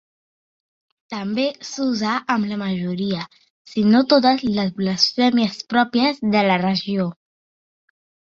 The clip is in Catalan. També s'usa amb la majoria, si no totes, les blasfèmies pròpies de la regió.